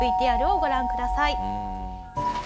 ＶＴＲをご覧ください。